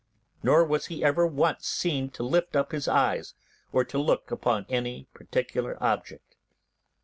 Nor was he ever once seen to lift up his eyes or to look upon any particular object.